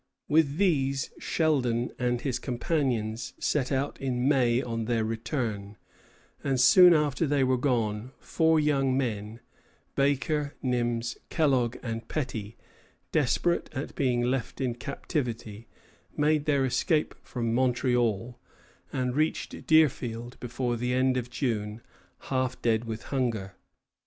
With these, Sheldon and his companions set out in May on their return; and soon after they were gone, four young men, Baker, Nims, Kellogg, and Petty, desperate at being left in captivity, made their escape from Montreal, and reached Deerfield before the end of June, half dead with hunger.